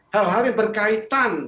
hal hal yang berkaitan